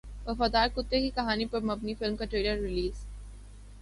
وفادار کتے کی کہانی پر مبنی فلم کا ٹریلر ریلیز